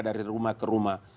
dari rumah ke rumah